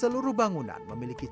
seluruh bangunan memiliki